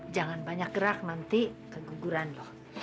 jangan banyak gerak nanti keguguran loh